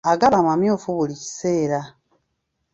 Agaba amamyufu buli kiseera.